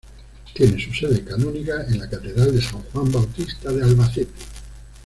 Tiene su sede canónica en la Catedral de San Juan Bautista de Albacete.